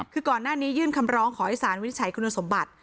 คือก่อนหน้านี้ยื่นคำร้องขอให้สารวินิจฉัยคุณสมบัติ